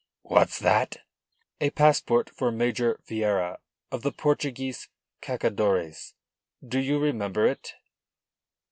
"What's that?" "A passport for Major Vieira of the Portuguese Cacadores. Do you remember it?"